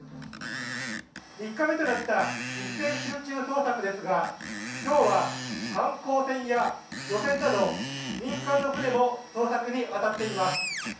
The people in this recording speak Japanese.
３日目となった集中捜索ですが、今日は観光船や漁船など、民間の船も捜索にあたっています。